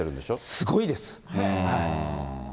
すごいです。